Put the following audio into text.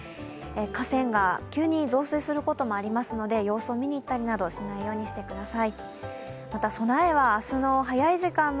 河川が急に増水することもありますので様子を見にいったりなどしないようにしてください。